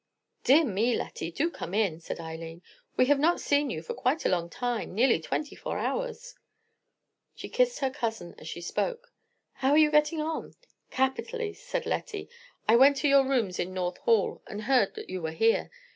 "Dear me, Lettie, do come in," said Eileen. "We have not seen you for quite a long time—nearly twenty four hours." She kissed her cousin as she spoke. "How are you getting on?" "Capitally," said Lettie. "I went to your rooms in North Hall and heard that you were here.